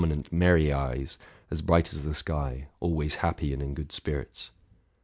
223 inent, merry eyes, as bright as the sky, always happy and in good spirits.